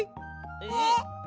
えっ？